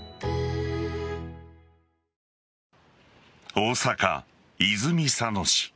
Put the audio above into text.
大阪・泉佐野市。